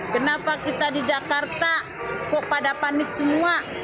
kenapa kita di jakarta kok pada panik semua